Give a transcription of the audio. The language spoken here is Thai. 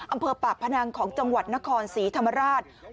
อำเภอปากพนังของจังหวัดนครศรีธรรมราช